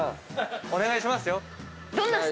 お願いしますよ。